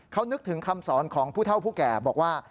เขานึกถึงคำสอนของผู้เท่าผู้แก่บอกว่า